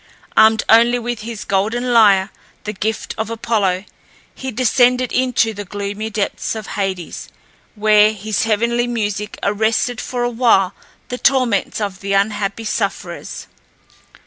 Armed only with his golden lyre, the gift of Apollo, he descended into the gloomy depths of Hades, where his heavenly music arrested for a while the torments of the unhappy sufferers.